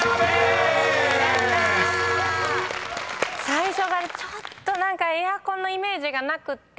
最初がちょっと何かエアコンのイメージがなくって。